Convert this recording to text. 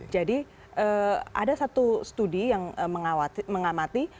jadi ada satu studi yang mengamati